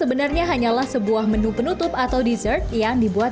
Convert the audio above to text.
es kepal susu